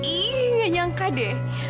ih nggak nyangka deh